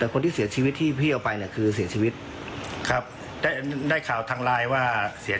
เร่งด่วนกว่า